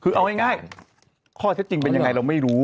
คือเอาง่ายข้อเท็จจริงเป็นยังไงเราไม่รู้